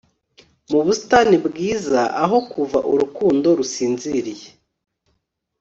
Mu busitani bwiza aho kuva urukundo rusinziriye